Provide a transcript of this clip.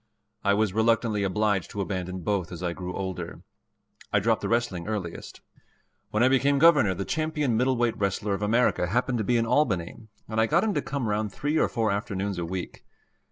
I was reluctantly obliged to abandon both as I grew older. I dropped the wrestling earliest. When I became Governor, the champion middleweight wrestler of America happened to be in Albany, and I got him to come round three or four afternoons a week.